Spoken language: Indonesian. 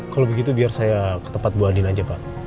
kalau begitu biar saya ke tempat bu adin aja pak